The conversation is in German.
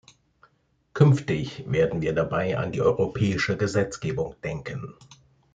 Künftig werden wir dabei an die europäische Gesetzgebung denken.